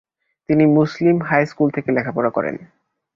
তিনি Muslim high school থেকে লেখাপড়া করেন।